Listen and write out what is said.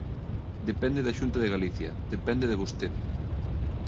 Depende da Xunta de Galicia, depende de vostede.